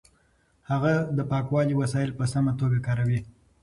هغه د پاکوالي وسایل په سمه توګه کاروي.